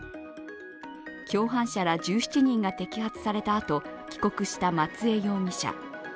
共犯者ら１７人が摘発されたあと帰国した松江容疑者。